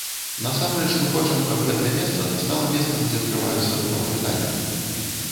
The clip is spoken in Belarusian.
Насамрэч мы хочам, каб гэтае месца стала месцам, дзе адкрываюцца новыя таленты.